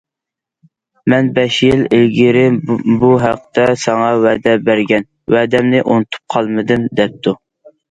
مەن بەش يىل ئىلگىرى بۇ ھەقتە ساڭا ۋەدە بەرگەن، ۋەدەمنى ئۇنتۇپ قالمىدىم، دەپتۇ.